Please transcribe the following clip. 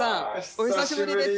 お久しぶりです